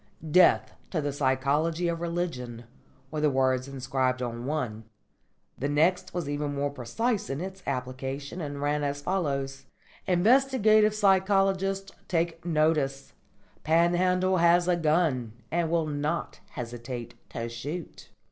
"Death to the Psychology of Religion" were the words inscribed on one. The next was even more precise in its application, and ran as follows: "_Inquisitive psychologists take notice! Panhandle has a gun, And will not hesitate to shoot.